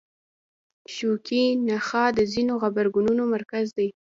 شوکي نخاع د ځینو غبرګونونو مرکز دی.